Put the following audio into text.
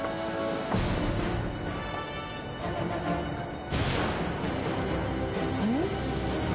失礼します。